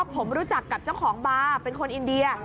ผมรู้จักกับเจ้าของบาร์เป็นคนอินเดีย